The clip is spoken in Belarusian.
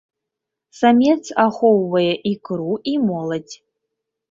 Самец ахоўвае ікру і моладзь.